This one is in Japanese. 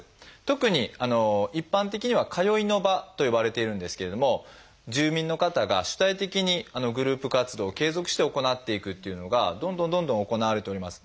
特に一般的には「通いの場」と呼ばれているんですけれども住民の方が主体的にグループ活動を継続して行っていくっていうのがどんどんどんどん行われております。